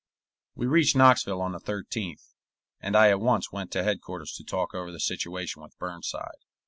We reached Knoxville on the 13th, and I at once went to headquarters to talk over the situation with Burnside.